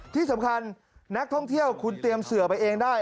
ที่สำคัญนักท่องเที่ยวคุณเตรียมเสือไปเองได้